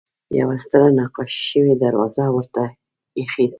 یوه ستره نقاشي شوې دروازه ورته اېښې وه.